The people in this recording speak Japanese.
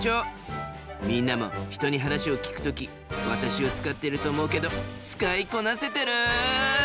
みんなも人に話を聞く時私を使ってると思うけど使いこなせてる？